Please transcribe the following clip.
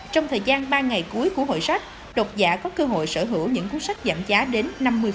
trong thời gian ba ngày cuối của hội sách độc giả có cơ hội sở hữu những cuốn sách giảm giá đến năm mươi